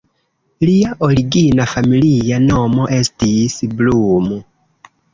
Lia origina familia nomo estis "Blum".